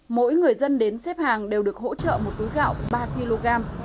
mỗi người dân đến xếp hàng đều được hỗ trợ một túi gạo ba kg